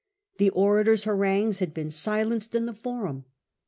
The orator's harangues had been silenced in the Forum.